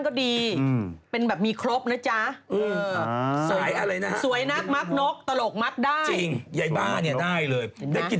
ความน่ารักความน่ารัก